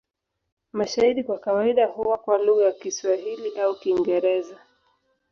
Mashairi kwa kawaida huwa kwa lugha ya Kiswahili au Kiingereza.